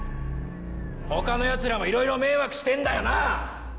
他のヤツらもいろいろ迷惑してんだよなぁ！